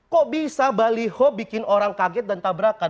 kok bisa baliho bikin orang kaget dan tabrakan